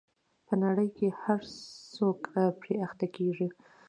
په نړۍ کې هر څوک پرې اخته کېږي.